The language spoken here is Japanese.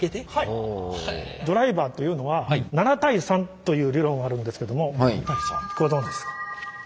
ドライバーというのは７：３という理論あるんですけどもご存じですか？